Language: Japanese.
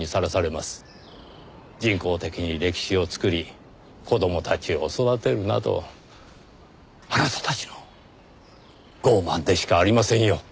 人工的に歴史を作り子供たちを育てるなどあなたたちの傲慢でしかありませんよ。